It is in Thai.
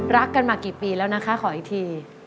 รักกันมากี่ปีแล้วนะคะขออีกที